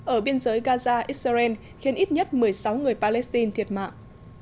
ở biên giới gaza israel khiến ít nhất một mươi sáu người palestine thiệt mạng